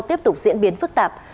tiếp tục diễn biến phức tạp